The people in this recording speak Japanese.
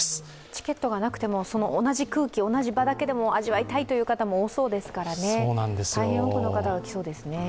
チケットがなくても、同じ空気、同じ場だけでも味わいたいという方も多そうですから、大変多くの方が来そうですね。